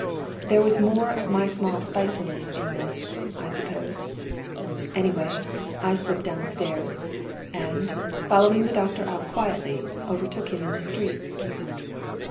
There was more of my small spitefulness in this, I suppose. Anyway, I slipped downstairs; and, following the doctor out quietly, overtook him in the street.